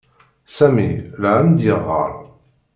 Sami la am-d-yeɣɣar.